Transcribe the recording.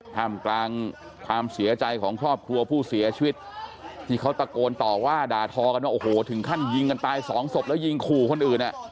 ท่ามกลางความเสียใจของครอบครัวผู้เสียชีวิตที่เขาตะโกนต่อว่าด่าทอกันว่าโอ้โหถึงขั้นยิงกันตายสองศพแล้วยิงขู่คนอื่น